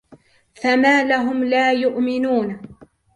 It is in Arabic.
فما لهم لا يؤمنون